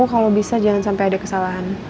kalau bisa jangan sampai ada kesalahan